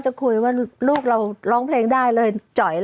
จ้อยแล้ว